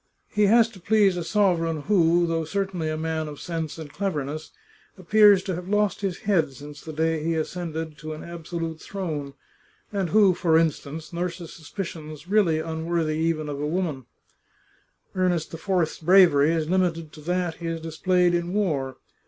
He has to please a sover eign who, though certainly a man of sense and cleverness, appears to have lost his head since the day he ascended an 99 The Chartreuse of Parma absolute throne, and who, for instance, nurses suspicions really unworthy even of a woman," "Ernest IV's bravery is limited to that he has displayed in war.